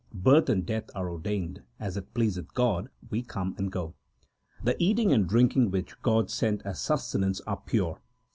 Birth and death are ordained ; as it pleaseth God, we come and go. The eating and drinking which God sent as sustenance are pure.